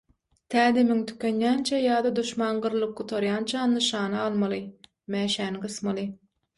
Tä demiň tükenýänçä ýa-da duşman gyrylyp gutarýança nyşana almaly, mäşäni gysmaly.